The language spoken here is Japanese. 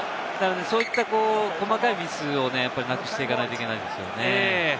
そういった細かいミスをなくしていかないといけないですよね。